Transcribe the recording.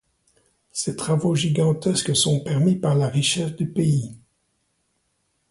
Ces travaux gigantesques sont permis par la richesse du pays.